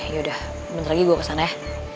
yaudah bentar lagi gue kesana ya